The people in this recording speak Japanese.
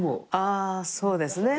あそうですね。